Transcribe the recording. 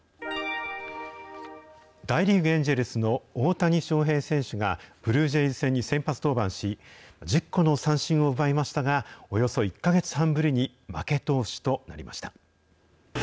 大リーグ・エンジェルスの大谷翔平選手が、ブルージェイズ戦に先発登板し、１０個の三振を奪いましたが、およそ１か月半ぶりに負け投手となりました。